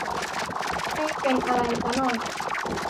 ไม่ได้เป็นไรซะหน่อย